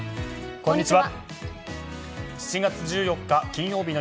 こんにちは。